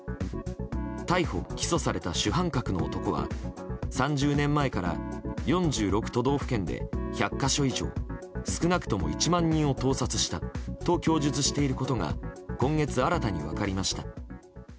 逮捕・起訴された主犯格の男は３０年前から４６都道府県で１００か所以上少なくとも１万人を盗撮したと供述していることが今月新たに分かりました。